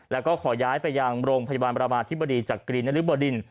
แล้วก็ขอย้ายไปอย่างโรงพยาบาลบรามางทิมบดีจากกริณหรือบดิน